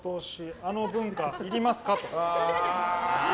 あの文化いりますか？